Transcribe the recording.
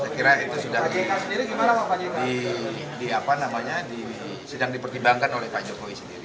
saya kira itu sudah dipertimbangkan oleh pak jokowi sendiri